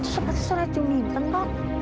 seperti suara ciumin tok